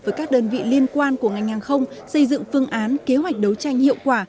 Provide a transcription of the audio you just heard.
với các đơn vị liên quan của ngành hàng không xây dựng phương án kế hoạch đấu tranh hiệu quả